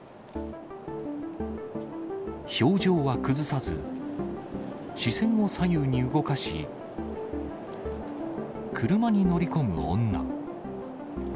表情は崩さず、視線を左右に動かし、車に乗り込む女。